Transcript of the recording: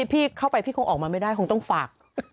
พี่เข้าไปพี่คงออกมาไม่ได้คงต้องฝาก